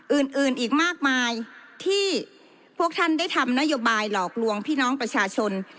อื่นอื่นอีกมากมายที่พวกท่านได้ทำนโยบายหลอกลวงพี่น้องประชาชน